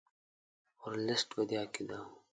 ورلسټ په دې عقیده وو.